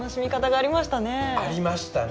ありましたね。